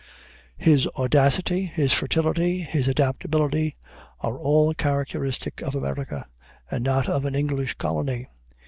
His audacity, his fertility, his adaptability, are all characteristic of America, and not of an English colony.